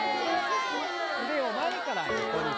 腕を前から横に開いて。